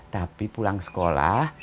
tapi pulang sekolah